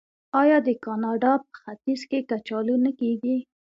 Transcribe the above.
آیا د کاناډا په ختیځ کې کچالو نه کیږي؟